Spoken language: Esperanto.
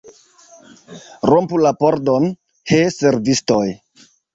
Rompu la pordon, he, servistoj!